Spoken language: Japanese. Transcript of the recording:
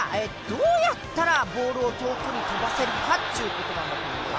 どうやったらボールを遠くに飛ばせるかっちゅうことなんだけど。